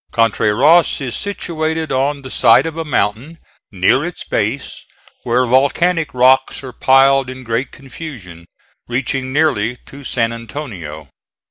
Contreras is situated on the side of a mountain, near its base, where volcanic rocks are piled in great confusion, reaching nearly to San Antonio.